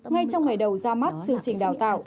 ngay trong ngày đầu ra mắt chương trình đào tạo